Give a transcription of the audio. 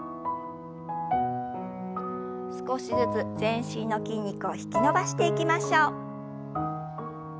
少しずつ全身の筋肉を引き伸ばしていきましょう。